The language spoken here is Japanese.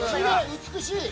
美しい！